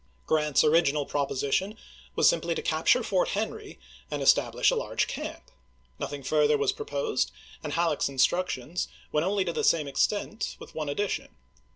Grrant's original proposition was simply to capture Fort Henry and establish a large camp. Nothing further was proposed, and Halleck's instructions went only to the same extent, with one addition.